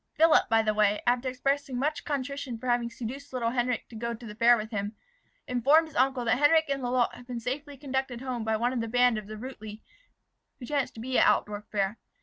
Philip, by the way, after expressing much contrition for having seduced little Henric to go to the fair with him, informed his uncle that Henric and Lalotte had been safely conducted home by one of the band of the Rutli who chanced to be at Altdorf fair.